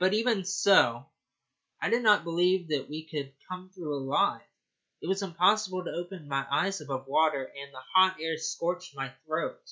But even so I did not believe that we could come through alive. It was impossible to open my eyes above water, and the hot air scorched my throat.